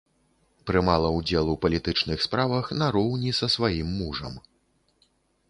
Прымала ўдзел у палітычных справах нароўні са сваім мужам.